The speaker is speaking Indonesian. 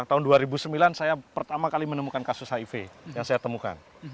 tahun dua ribu sembilan saya pertama kali menemukan kasus hiv yang saya temukan